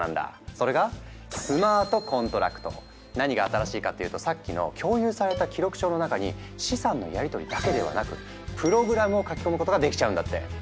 それが何が新しいかっていうとさっきの「共有された記録帳」の中に資産のやりとりだけではなくプログラムを書き込むことができちゃうんだって。